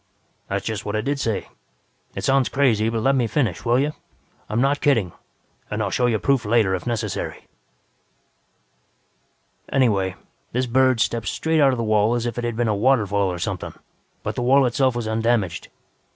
"That's just what I did say. It sounds crazy, but let me finish, will you? I'm not kidding, and I'll show you proof later if necessary. "Anyway, this bird stepped straight out of the wall as if it had been a waterfall or something, but the wall itself was undamaged.